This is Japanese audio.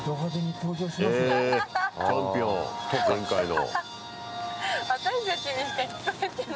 へぇ、チャンピオン、前回の。